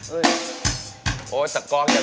อุ๊ยทั้งทั้งทั้ง